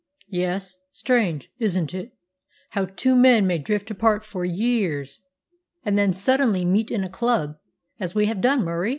"Yes, strange, isn't it, how two men may drift apart for years, and then suddenly meet in a club, as we have done, Murie?"